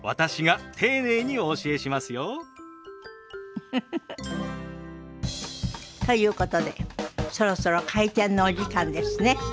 ウフフフ。ということでそろそろ開店のお時間ですね。